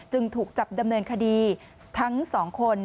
ถูกจับดำเนินคดีทั้งสองคน